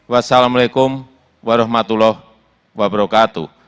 wassalamu'alaikum warahmatullahi wabarakatuh